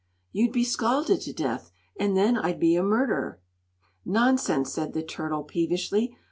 "You'd be scalded to death, and then I'd be a murderer!" "Nonsense!" said the turtle, peevishly.